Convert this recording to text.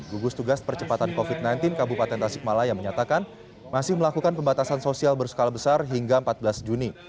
gugus tugas percepatan covid sembilan belas kabupaten tasikmalaya menyatakan masih melakukan pembatasan sosial berskala besar hingga empat belas juni